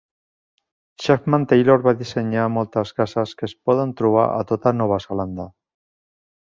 Chapman-Taylor va dissenyar moltes cases que es poden trobar a tota Nova Zelanda.